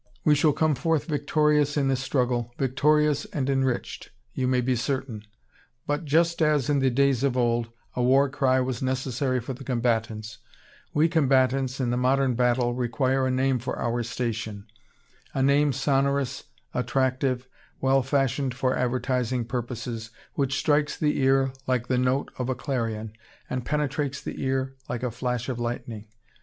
We shall come forth victorious in this struggle, victorious and enriched, you may be certain; but, just as in the days of old, a war cry was necessary for the combatants, we, combatants in the modern battle, require a name for our station, a name sonorous, attractive, well fashioned for advertising purposes, which strikes the ear like the note of a clarion, and penetrates the ear like a flash of lightning.